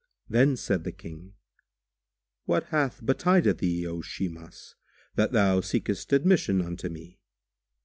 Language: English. Then said the King, "What hath betided thee, O Shimas, that thou seekest admission unto me?"